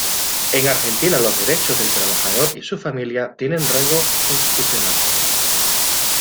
En Argentina los derechos del trabajador y su familia tienen rango constitucional.